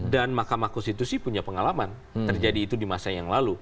dan mahkamah konstitusi punya pengalaman terjadi itu di masa yang lalu